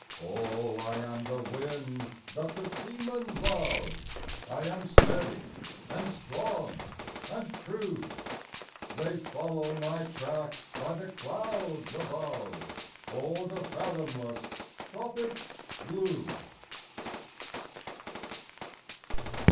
Oh, I am the wind that the seamen love I am steady, and strong, and true; They follow my track by the clouds above O'er the fathomless tropic blue.